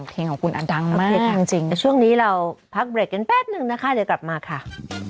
เพลงของคุณอันดังมากจริงแต่ช่วงนี้เราพักเบรกกันแป๊บนึงนะคะเดี๋ยวกลับมาค่ะ